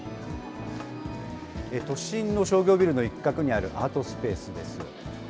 都心の商業ビルの一角にあるアートスペースです。